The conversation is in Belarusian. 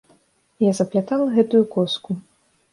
Я заплятала гэтую коску.